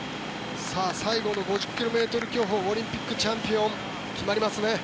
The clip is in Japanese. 最後の５０ｋｍ競歩オリンピックチャンピオンが決まりますね。